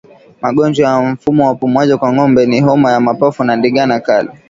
Magonjwa ya mfumo wa upumuaji kwa ngombe ni homa ya mapafu na ndigana kali